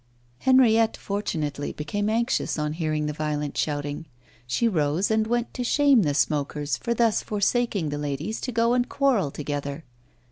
Henriette, fortunately, became anxious on hearing the violent shouting. She rose and went to shame the smokers for thus forsaking the ladies to go and quarrel together.